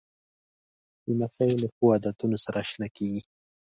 لمسی له ښو عادتونو سره اشنا کېږي.